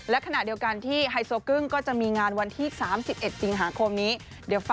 และขณะเดียวกันที่ไฮโซย์กึ้งก็จะมีงานวันที่๓๑สิงหาคมนี้